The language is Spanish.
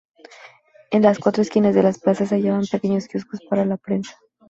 En las cuatro esquinas de la plaza se hallaban pequeños kioscos para la prensa.